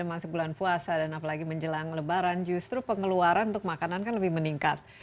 tapi biasanya kalau udah masuk bulan puasa dan apalagi menjelang lebaran justru pengeluaran untuk makanan kan lebih meningkat